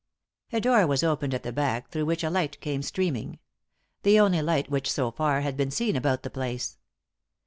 " A door was opened at the back, through which a light came streaming; the only light which, so far, had been seen about the place.